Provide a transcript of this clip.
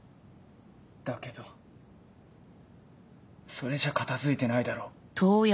だけどそれじゃ片付いてないだろ。